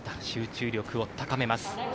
集中力を高めます。